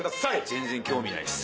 全然興味ないです。